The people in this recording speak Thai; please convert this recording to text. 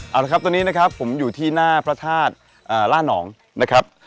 เอาละครับตอนนี้นะครับผมอยู่ที่หน้าพระธาตุล่านองนะครับ